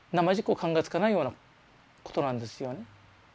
こう考えつかないようなことなんですよね。